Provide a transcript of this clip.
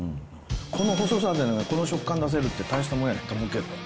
この細さでこの食感出せるって、大したもんやと思うけど。